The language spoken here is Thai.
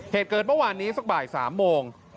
เหตุเกิดเมื่อวานนี้สักบ่าย๓โมง